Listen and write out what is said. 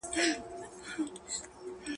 لمر د ورځ په وخت کې ځلیږي.